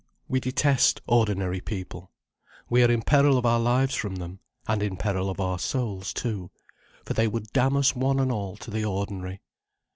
We detest ordinary people. We are in peril of our lives from them: and in peril of our souls too, for they would damn us one and all to the ordinary.